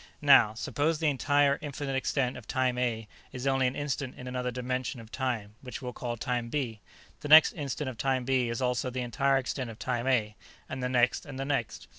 Now, suppose the entire, infinite extent of Time A is only an instant in another dimension of time, which we'll call Time B. The next instant of Time B is also the entire extent of Time A, and the next and the next.